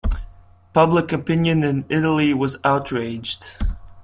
Public opinion in Italy was outraged.